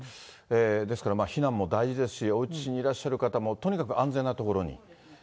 ですから、避難も大事ですし、おうちにいらっしゃる方も、とにかく安全な所に。